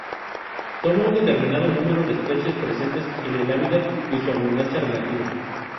Toma un determinado número de especies presentes en el hábitat y su abundancia relativa.